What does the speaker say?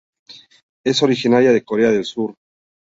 Es originaria de Corea del Sur.